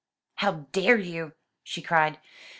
"How dare you?" she cried.